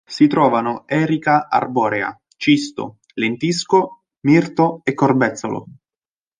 Si trovano erica arborea, cisto, lentisco, mirto e corbezzolo.